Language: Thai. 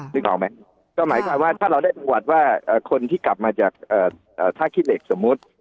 นึกออกไหมก็หมายความว่าถ้าเราได้ประวัติว่าคนที่กลับมาจากท่าขี้เหล็กสมมุติ